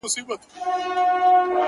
په دربار كي جنرالانو بيعت وركړ؛